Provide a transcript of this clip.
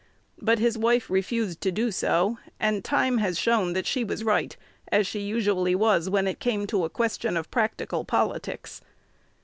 But his wife "refused to do so;" and time has shown that she was right, as she usually was when it came to a question of practical politics.